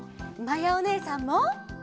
まやおねえさんも！